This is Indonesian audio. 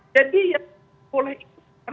jadi yang boleh diperlukan